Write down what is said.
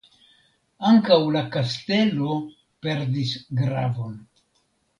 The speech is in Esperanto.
Ankaŭ la kastelo perdis gravon.